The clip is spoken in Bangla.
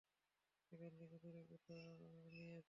এখান থেকে দূরে কোথাও নিয়ে চলো।